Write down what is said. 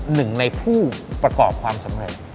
หนึ่งในผู้ประกอบความสำเร็จ